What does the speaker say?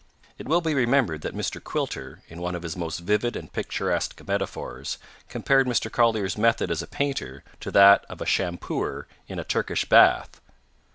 It will be remembered that Mr. Quilter, in one of his most vivid and picturesque metaphors, compared Mr. Collier's method as a painter to that of a shampooer in a Turkish bath.